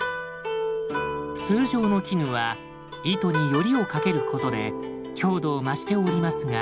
通常の絹は糸によりをかけることで強度を増して織りますが。